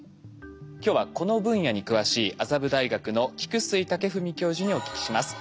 今日はこの分野に詳しい麻布大学の菊水健史教授にお聞きします。